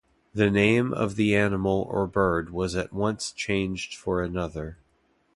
The name of the animal or bird was at once changed for another.